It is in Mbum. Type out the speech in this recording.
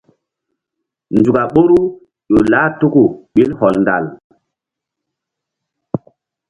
Nzuk a ɓoru ƴo lah tuku ɓil hɔndal.